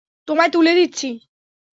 তোমায় তুলে দিচ্ছি।